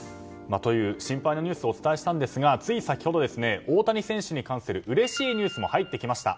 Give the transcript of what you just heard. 心配なニュースをお伝えしたんですが、つい先ほど大谷選手に関するうれしいニュースも入ってきました。